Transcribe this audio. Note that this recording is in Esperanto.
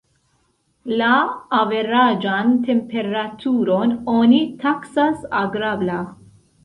La averaĝan temperaturon oni taksas agrabla.